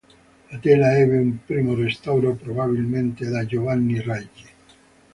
La tela ebbe un primo restauro probabilmente da Giovanni Raggi.